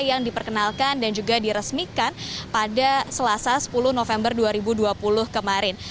yang diperkenalkan dan juga diresmikan pada selasa sepuluh november dua ribu dua puluh kemarin